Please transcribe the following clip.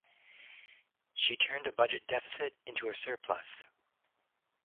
She turned a budget deficit into a surplus.